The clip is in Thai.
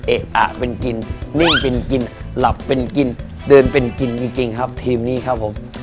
เอ๊ะอะเป็นกินนิ่งเป็นกินหลับเป็นกินเดินเป็นกินจริงครับทีมนี้ครับผม